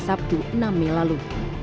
sabtu enam mei lalu